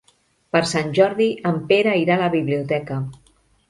Per Sant Jordi en Pere irà a la biblioteca.